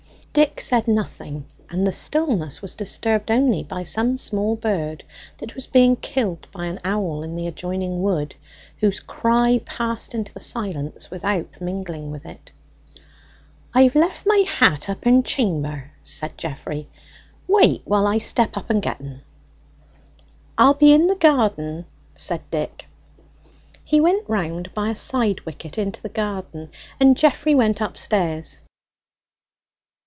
Dick said nothing; and the stillness was disturbed only by some small bird that was being killed by an owl in the adjoining wood, whose cry passed into the silence without mingling with it. "I've left my hat up in chammer," said Geoffrey; "wait while I step up and get en." "I'll be in the garden," said Dick. He went round by a side wicket into the garden, and Geoffrey went upstairs.